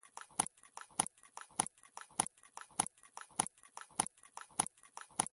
قومونه د افغان لرغوني کلتور سره پوره او نږدې تړاو لري.